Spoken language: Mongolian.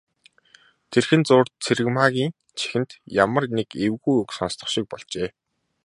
Тэрхэн зуур Цэрэгмаагийн чихэнд ямар нэг эвгүй үг сонстох шиг болжээ.